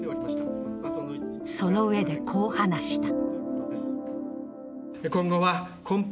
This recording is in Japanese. そのうえで、こう話した。